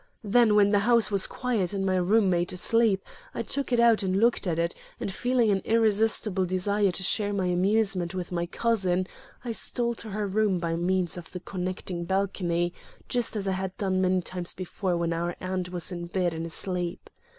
Then, when the house was quiet and my room mate asleep, I took it out and looked at it, and feeling an irresistible desire to share my amusement with my cousin, I stole to her room by means of the connecting balcony, just as I had done many times before when our aunt was in bed and asleep.